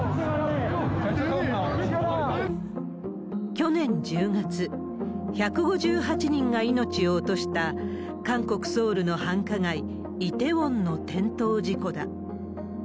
去年１０月、１５８人が命を落とした韓国・ソウルの繁華街、イテウォンの転倒事故だ。